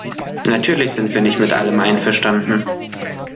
Natürlich sind wir nicht mit allem einverstanden.